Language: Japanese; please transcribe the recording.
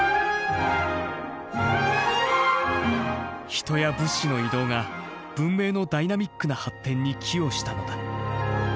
人や物資の移動が文明のダイナミックな発展に寄与したのだ。